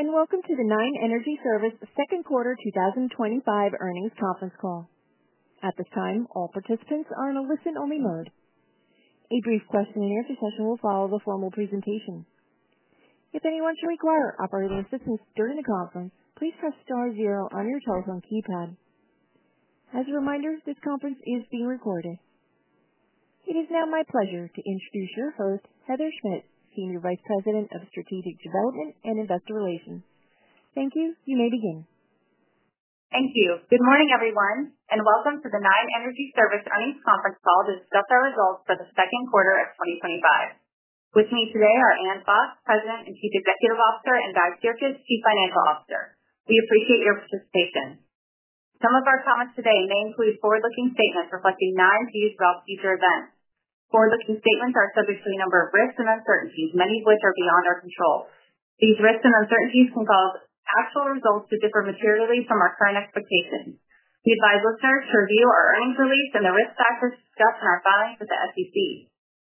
Welcome to the Nine Energy Service Second Quarter 2025 Earnings Conference Call. At this time, all participants are in a listen-only mode. A brief question and answer session will follow the formal presentation. If anyone should require operating assistance during the conference, please press star zero on your telephone keypad. As a reminder, this conference is being recorded. It is now my pleasure to introduce your host, Heather Schmidt, Senior Vice President of Strategic Development and Investor Relations. Thank you. You may begin. Thank you. Good morning, everyone, and welcome to the Nine Energy Service earnings conference call to discuss our results for the second quarter of 2025. With me today are Ann Fox, President and Chief Executive Officer, and Guy Sirkes, Chief Financial Officer. We appreciate your participation. Some of our comments today may include forward-looking statements reflecting non-these-about-future events. Forward-looking statements are subject to a number of risks and uncertainties, many of which are beyond our control. These risks and uncertainties can cause actual results to differ materially from our current expectations. We advise listeners to review our earnings release and the risk factors discussed in our filings with the SEC.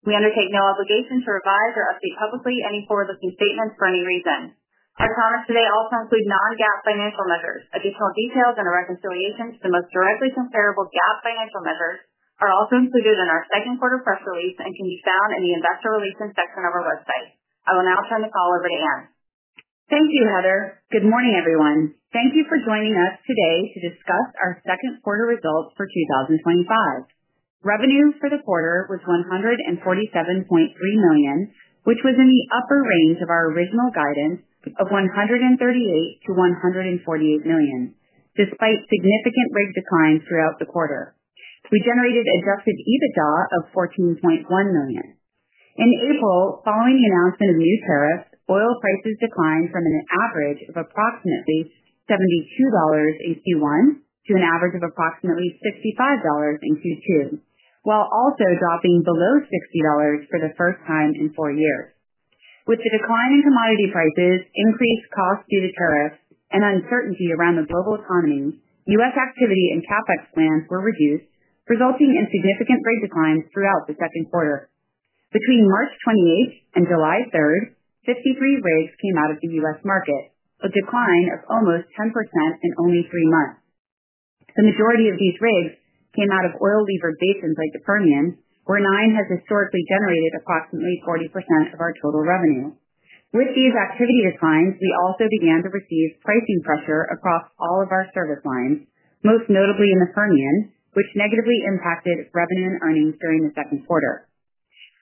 We undertake no obligation to revise or update publicly any forward-looking statements for any reason. Our comments today also include non-GAAP financial measures. Additional details and a reconciliation to the most directly comparable GAAP financial measures are also included in our second quarter press release and can be found in the Investor Relations section of our website. I will now turn the call over to Ann. Thank you, Heather. Good morning, everyone. Thank you for joining us today to discuss our second quarter results for 2025. Revenue for the quarter was $147.3 million, which was in the upper range of our original guidance of $138 million-$148 million, despite significant rate declines throughout the quarter. We generated adjusted EBITDA of $14.1 million. In April, following the announcement of new tariffs, oil prices declined from an average of approximately $72 in Q1 to an average of approximately $65 in Q2, while also dropping below $60 for the first time in four years. With the decline in commodity prices, increased costs due to tariffs, and uncertainty around the global economy, U.S. activity and CapEx plans were reduced, resulting in significant rate declines throughout the second quarter. Between March 28 and July 3, 53 rigs came out of the U.S. market, a decline of almost 10% in only three months. The majority of these rigs came out of oil levered basins like the Permian, where Nine has historically generated approximately 40% of our total revenue. With these activity declines, we also began to receive pricing pressure across all of our service lines, most notably in the Permian, which negatively impacted revenue and earnings during the second quarter.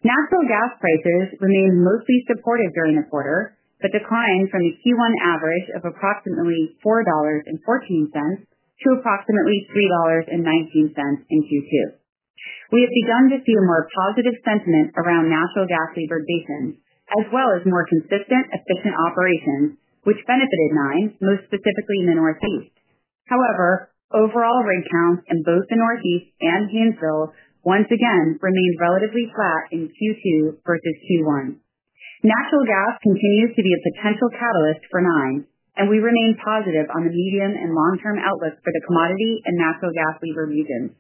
Natural gas prices remained mostly supportive during the quarter, but declined from the Q1 average of approximately $4.14 to approximately $3.19 in Q2. We have begun to see a more positive sentiment around natural gas levered basins, as well as more consistent, efficient operations, which benefited Nine, most specifically in the Northeast. However, overall rate churns in both the Northeast and Haynesville once again remain relatively flat in Q2 versus Q1. Natural gas continues to be a potential catalyst for Nine, and we remain positive on the medium and long-term outlook for the commodity and natural gas levered region.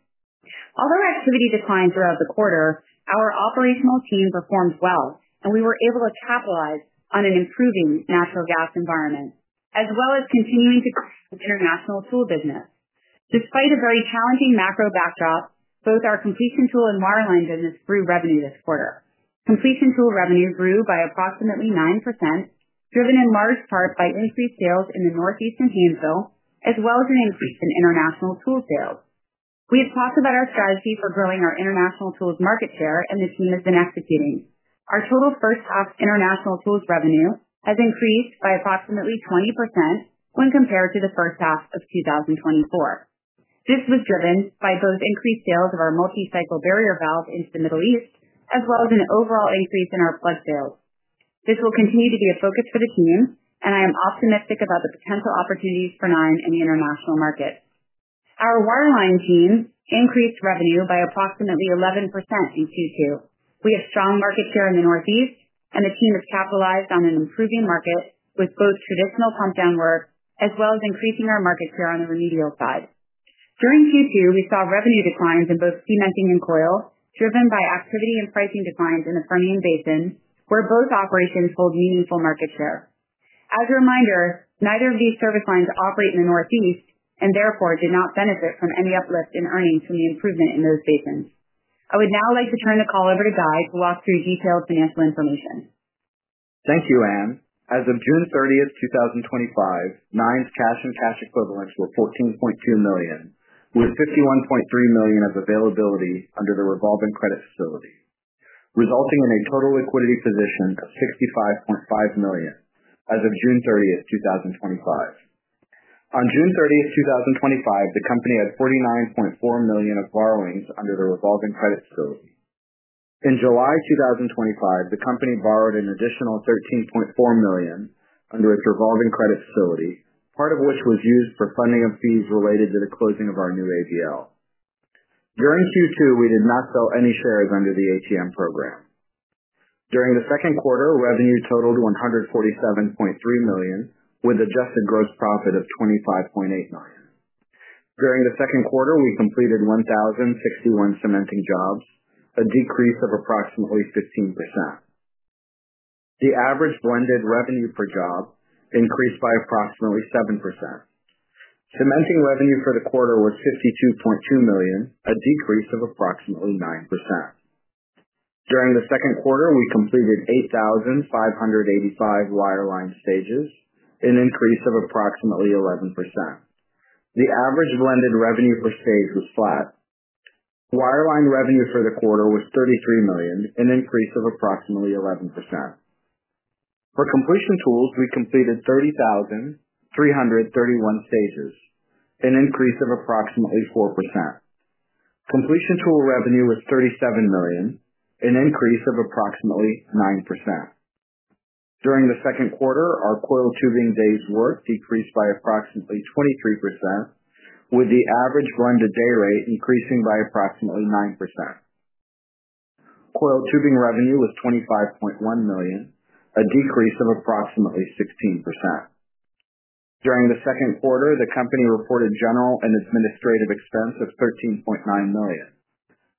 Although activity declined throughout the quarter, our operational team performed well, and we were able to capitalize on an improving natural gas environment, as well as continuing to grow international tool business. Despite a very challenging macro backdrop, both our completion tool and wireline services business grew revenue this quarter. Completion tool revenue grew by approximately 9%, driven in large part by increased sales in the Northeast and Haynesville, as well as an increase in international tool sales. We have talked about our strategy for growing our international tools market share, and the team has been executing. Our total first half international tools revenue has increased by approximately 20% when compared to the first half of 2024. This was driven by both increased sales of our multi-cycle barrier valve into the Middle East, as well as an overall increase in our plug sales. This will continue to be a focus for the team, and I am optimistic about the potential opportunities for Nine in the international market. Our wireline team increased revenue by approximately 11% in Q2. We have strong market share in the Northeast, and the team has capitalized on an improving market with both traditional pump-down work, as well as increasing our market share on the remedial side. During Q2, we saw revenue declines in both cementing and coiled tubing services, driven by activity and pricing declines in the Permian Basin, where both operations hold meaningful market share. As a reminder, neither of these service lines operate in the Northeast and therefore did not benefit from any uplift in earnings from the improvement in those basins. I would now like to turn the call over to Guy to walk through detailed financial information. Thank you, Ann. As of June 30, 2025, Nine's cash and cash equivalents were $14.2 million, with $51.3 million of availability under the Revolving Credit Facility, resulting in a total liquidity position of $65.5 million as of June 30, 2025. On June 30, 2025, the company had $49.4 million of borrowings under the Revolving Credit Facility. In July 2025, the company borrowed an additional $13.4 million under its Revolving Credit Facility, part of which was used for funding of fees related to the closing of our new ADL. During Q2, we did not sell any shares under the OTM program. During the second quarter, revenue totaled $147.3 million, with a deficit gross profit of $25.8 million. During the second quarter, we completed 1,061 cementing jobs, a decrease of approximately 15%. The average blended revenue per job increased by approximately 7%. Cementing revenue for the quarter was $52.2 million, a decrease of approximately 9%. During the second quarter, we completed 8,585 wireline stages, an increase of approximately 11%. The average blended revenue per stage was flat. Wireline revenue for the quarter was $33 million, an increase of approximately 11%. For completion tools, we completed 30,331 stages, an increase of approximately 4%. Completion tool revenue was $37 million, an increase of approximately 9%. During the second quarter, our coiled tubing days worked decreased by approximately 23%, with the average grind-to-day rate increasing by approximately 9%. Coiled tubing revenue was $25.1 million, a decrease of approximately 16%. During the second quarter, the company reported general and administrative expense of $13.9 million.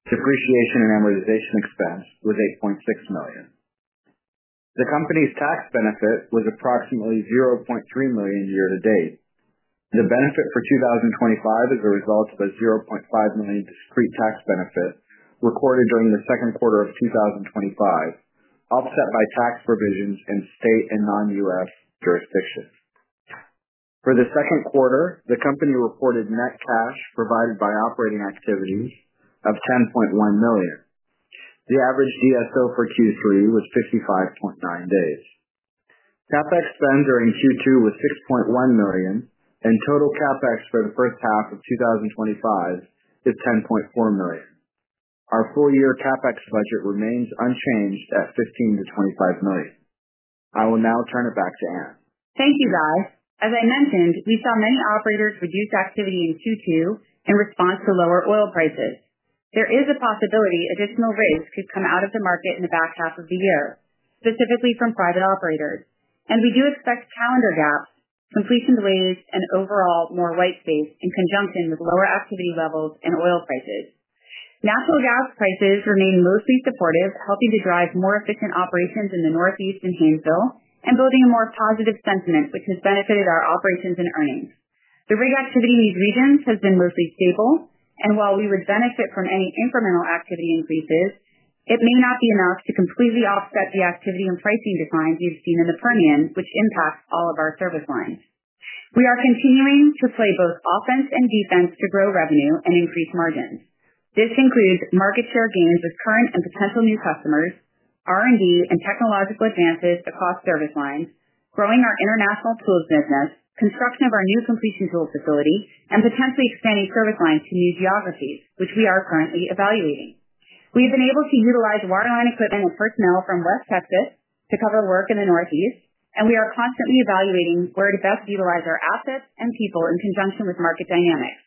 Depreciation and amortization expense was $8.6 million. The company's tax benefit was approximately $0.3 million year-to-date. The benefit for 2025 is a result of a $0.5 million discrete tax benefit recorded during the second quarter of 2025, offset by tax provisions in state and non-U.S. jurisdictions. For the second quarter, the company reported net cash provided by operating activity of $10.1 million. The average DSO for Q3 was 55.9 days. CapEx spend during Q2 was $6.1 million, and total CapEx for the first half of 2025 is $10.4 million. Our full-year CapEx budget remains unchanged at $15 million-$25 million. I will now turn it back to Ann. Thank you, guys. As I mentioned, we saw many operators reduce activity in Q2 in response to lower oil prices. There is a possibility additional rigs could come out of the market in the back half of the year, specifically from private operators. We do expect calendar gaps, completions waived, and overall more white space in conjunction with lower activity levels and oil prices. Natural gas prices remain mostly supportive, helping to drive more efficient operations in the Northeast and Haynesville and building a more positive sentiment, which has benefited our operations and earnings. The rig activity in these regions has been mostly stable, and while we would benefit from any incremental activity increases, it may not be enough to completely offset the activity and pricing decline we have seen in the Permian, which impacts all of our service lines. We are continuing to play both offense and defense to grow revenue and increase margins. This includes market share gains with current and potential new customers, R&D and technological advances across service lines, growing our international tools business, construction of our new completion tool facility, and potentially expanding service lines to new geographies, which we are currently evaluating. We have been able to utilize wireline equipment and personnel from West Texas to cover work in the Northeast, and we are constantly evaluating where to best utilize our assets and people in conjunction with market dynamics.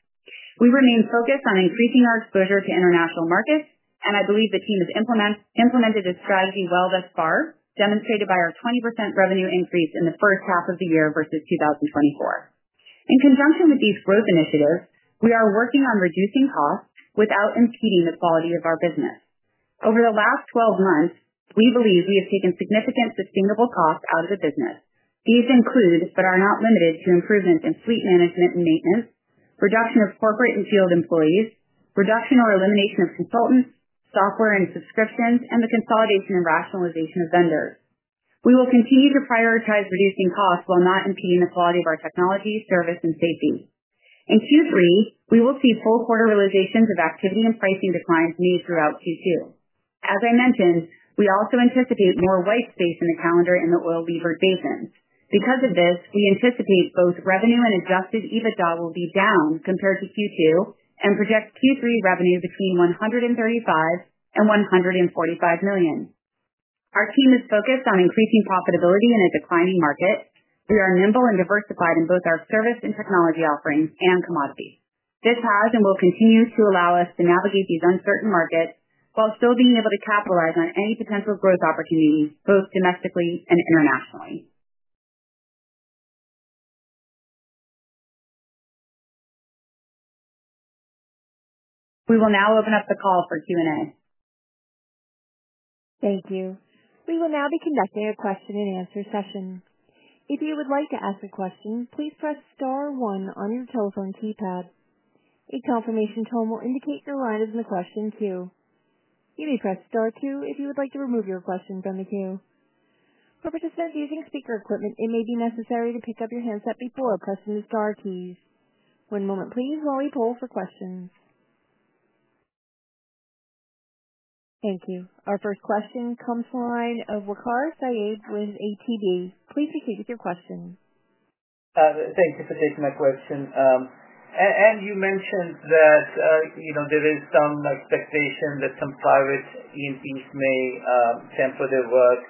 We remain focused on increasing our exposure to international markets, and I believe the team has implemented a strategy well thus far, demonstrated by our 20% revenue increase in the first half of the year versus 2024. In conjunction with these growth initiatives, we are working on reducing costs without impeding the quality of our business. Over the last 12 months, we believe we have taken significant sustainable costs out of the business. These include, but are not limited to, improvements in fleet management and maintenance, reduction of corporate and field employees, reduction or elimination of consultants, software and subscriptions, and the consolidation and rationalization of vendors. We will continue to prioritize reducing costs while not impeding the quality of our technology, service, and safety. In Q3, we will see full quarter realizations of activity and pricing declines made throughout Q2. We also anticipate more white space in the calendar in the oil lever basins. Because of this, we anticipate both revenue and adjusted EBITDA will be down compared to Q2 and project Q3 revenue between $135 million and $145 million. Our team is focused on increasing profitability in a declining market. We are nimble and diversified in both our service and technology offerings and commodity. This has and will continue to allow us to navigate these uncertain markets while still being able to capitalize on any potential growth opportunities, both domestically and internationally. We will now open up the call for Q&A. Thank you. We will now be conducting a question and answer session. If you would like to ask a question, please press star one on your telephone keypad. A confirmation tone will indicate your line is in the question queue. You may press star two if you would like to remove your question from the queue. For participants using speaker equipment, it may be necessary to pick up your headset before pressing the star keys. One moment, please, while we poll for questions. Thank you. Our first question comes from a client of Waqar Syed with ATB. Please proceed with your question. Thank you for taking my question. Ann, you mentioned that there is some expectation that some private E&Ps may cancel their work.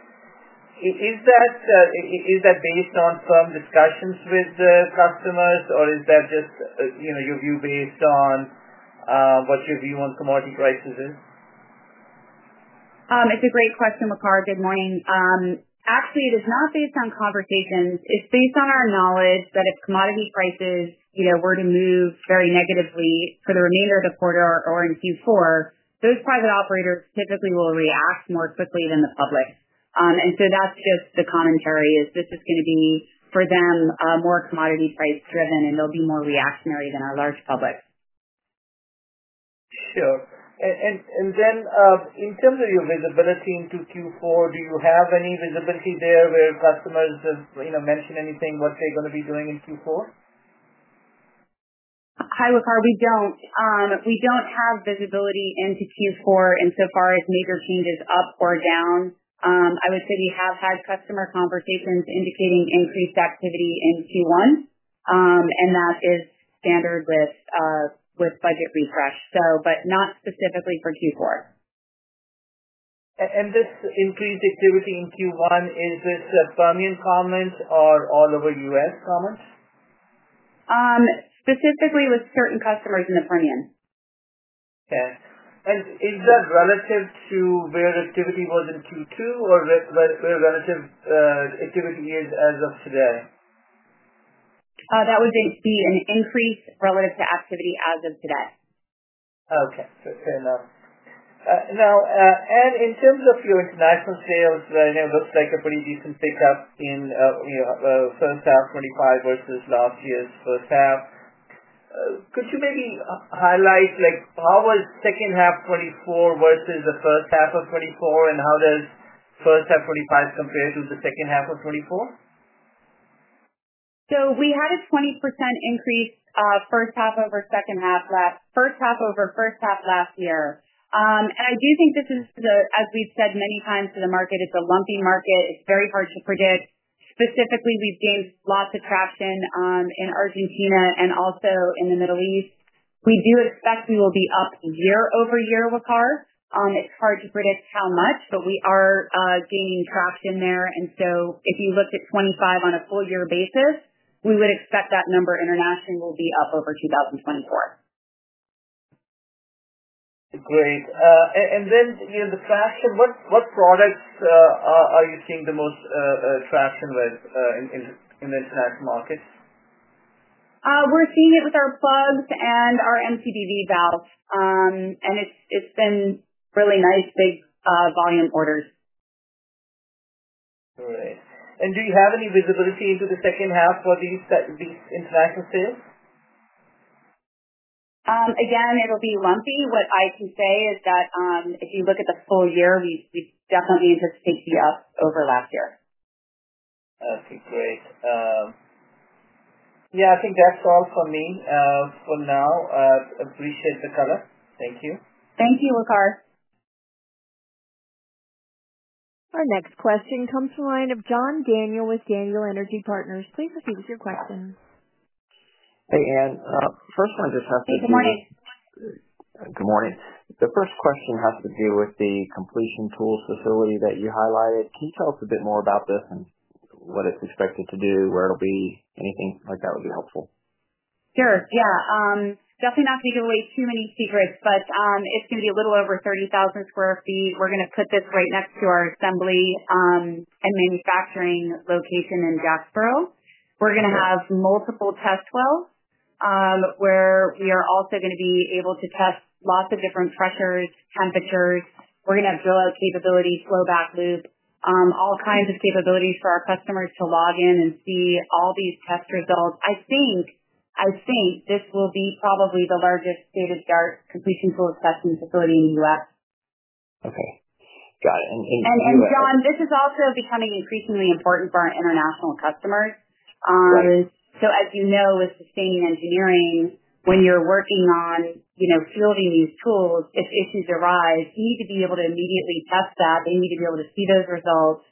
Is that based on firm discussions with the customers, or is that just your view based on what your view on commodity prices is? It's a great question, Waqar. Good morning. Actually, it is not based on conversations. It's based on our knowledge that if commodity prices, you know, were to move very negatively for the remainder of the quarter or in Q4, those private operators typically will react more quickly than the public. That's just the commentary, this is going to be, for them, a more commodity price-driven, and they'll be more reactionary than our large public. In terms of your visibility into Q4, do you have any visibility there where customers just mention anything what they're going to be doing in Q4? Hi, Waqar. We don't have visibility into Q4 insofar as major changes up or down. I would say we have had customer conversations indicating increased activity in Q1, and that's standard with budget refresh, but not specifically for Q4. Is this increased activity in Q1 a Permian comment or an all over U.S. comment? Specifically with certain customers in the Permian. Okay. Is that relative to where activity was in Q2 or where relative activity is as of today? That would just be an increase relative to activity as of today. Okay. Fair enough. Now, Ann, in terms of your international sales, right now, it looks like a pretty decent pickup in, you know, first half 2025 versus last year's first half. Could you maybe highlight like how was second half 2024 versus the first half of 2024 and how does first half 2025 compare to the second half of 2024? We had a 20% increase first half over second half last year. I do think this is, as we've said many times to the market, it's a lumpy market. It's very hard to predict. Specifically, we've gained lots of traction in Argentina and also in the Middle East. We do expect we will be up year-over-year, Waqar. It's hard to predict how much, but we are gaining traction there. If you looked at 2025 on a full-year basis, we would expect that number internationally will be up over 2024. Great. In the fashion, what products are you seeing the most fashion with in the international markets? We're seeing it with our plugs and our multi-cycle barrier valves. It's been really nice, big volume orders. All right. Do you have any visibility into the second half for these international sales? Again, it'll be lumpy. What I can say is that if you look at the full year, we definitely anticipate to be up over last year. Okay. Yeah, I think that's all from me for now. I appreciate the catch-up. Thank you. Thank you, Waqar. Our next question comes from a client of John Daniel with Daniel Energy Partners. Please repeat your question. Hey, Ann. First one just has to do. Hey, good morning. Good morning. The first question has to do with the completion tool facility that you highlighted. Can you tell us a bit more about this and what it's expected to do, where it'll be? Anything like that would be helpful. Sure. Yeah. Definitely not going to give away too many secrets, but it's going to be a little over 30,000 sq ft. We're going to put this right next to our assembly and manufacturing location in Destrehan. We're going to have multiple test wells where we are also going to be able to test lots of different pressures, temperatures. We're going to have drill out capabilities, flow back loops, all kinds of capabilities for our customers to log in and see all these test results. I think this will be probably the largest state-of-the-art completion tool accessing facility in the U.S. Okay, got it. John, this is also becoming increasingly important for our international customers. As you know, with sustained engineering, when you're working on fielding these tools, if issues arise, you need to be able to immediately test that. They need to be able to see those results.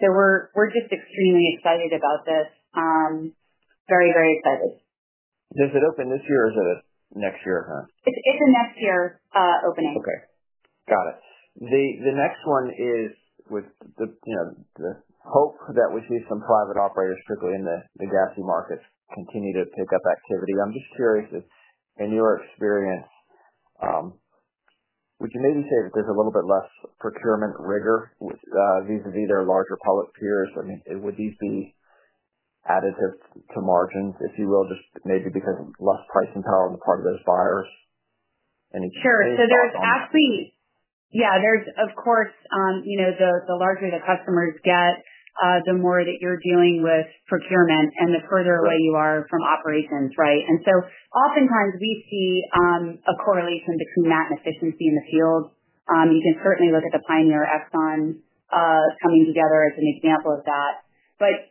We're just extremely excited about this, very, very excited. Is it open this year or is it next year? It's a next year opening. Okay. Got it. The next one is with the, you know, the hope that we see some private operators, particularly in the gassy markets, continue to pick up activity. I'm just curious, in your experience, would you maybe say that there's a little bit less procurement rigor vis-à-vis their larger public peers? I mean, would these be additive to margins, if you will, just maybe because of less pricing power on the part of those buyers? Sure. There's actually, yeah, of course, the larger the customers get, the more that you're dealing with procurement and the further away you are from operations, right? Oftentimes, we see a correlation between that and efficiency in the field. You can certainly look at the Pioneer Exxon coming together as an example of that.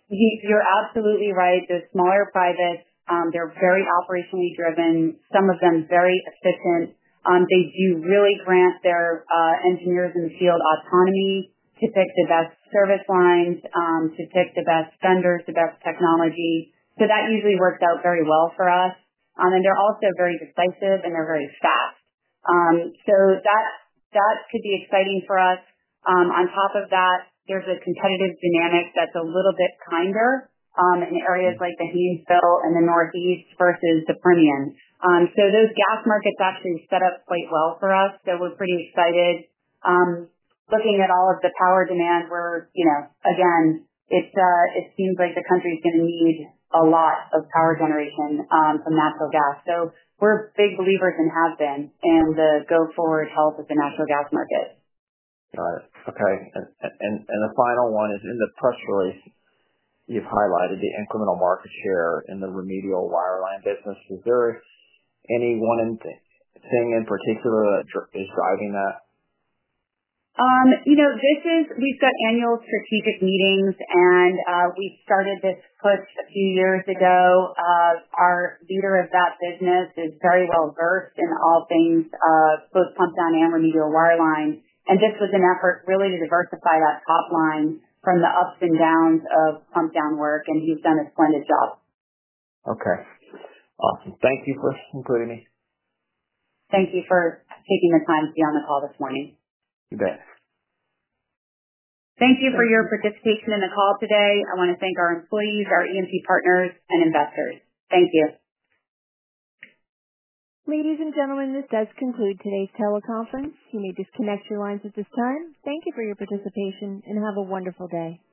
You're absolutely right. They're smaller privates. They're very operationally driven. Some of them are very efficient. They do really grant their engineers in the field autonomy to pick the best service lines, to pick the best vendors, the best technology. That usually works out very well for us. They're also very decisive and they're very fast, so that should be exciting for us. On top of that, there's a competitive dynamic that's a little bit kinder in areas like the Haynesville and the Northeast versus the Permian. Those gas markets actually set up quite well for us. We're pretty excited, looking at all of the power demand where, again, it seems like the country is going to need a lot of power generation from natural gas. We're big believers and have been in the go-forward health of the natural gas market. Got it. Okay. In the press release, you've highlighted the incremental market share in the remedial wireline business. Is there any one thing in particular that's driving that? We've got annual strategic meetings, and we've started this push a few years ago. Our leader of that business is very well versed in all things, both pump down and remedial wireline. This was an effort really to diversify that hotline from the ups and downs of pump down work, and you've done a splendid job. Okay. Awesome. Thank you for including me. Thank you for taking the time to be on the call this morning. You bet. Thank you for your participation in the call today. I want to thank our employees, our EMC partners, and investors. Thank you. Ladies and gentlemen, this does conclude today's teleconference. You may disconnect your lines at this time. Thank you for your participation and have a wonderful day.